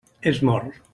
És mort.